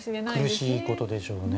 苦しいことでしょうね。